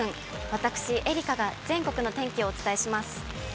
私、愛花が全国の天気をお伝えします。